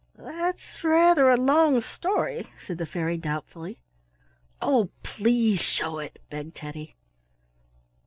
"That's rather a long story," said the fairy, doubtfully. "Oh, please show it!" begged Teddy.